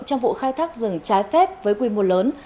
trong vụ khai thác rừng trái phép với quy mô lớn